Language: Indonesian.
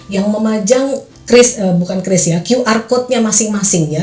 yang memajang bukan kris ya qr code nya masing masing ya